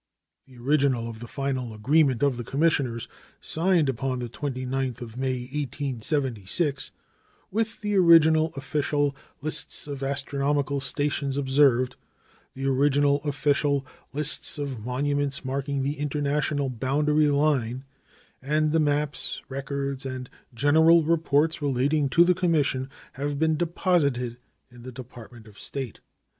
The original of the final agreement of the commissioners, signed upon the 29th of May, 1876, with the original official "lists of astronomical stations observed," the original official "list of monuments marking the international boundary line," and the maps, records, and general reports relating to the commission, have been deposited in the Department of State.